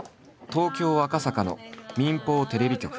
東京赤坂の民放テレビ局。